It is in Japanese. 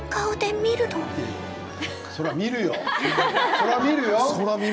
そら見るよ。